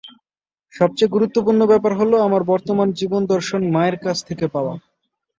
সবচেয়ে গুরুত্বপূর্ণ ব্যাপার হলো, আমার বর্তমান জীবনদর্শন মায়ের কাছ থেকে পাওয়া।